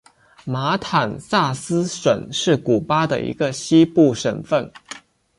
马坦萨斯省是古巴的一个西部省份。